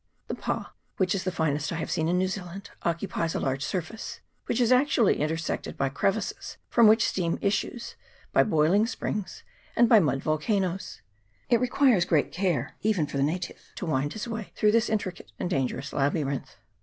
The pa, which is the finest I have seen in New Zealand, occupies a large surface, which is actually intersected by crevices from which steam issues, by boiling springs, and by mud volcanoes. It requires great care even for the native to wind his way through this intricate and dangerous labyrinth.